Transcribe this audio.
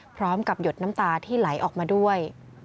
หยดน้ำตาที่ไหลออกมาด้วย